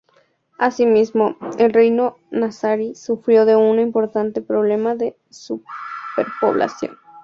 Así mismo, el Reino nazarí sufrió de un importante problema de superpoblación.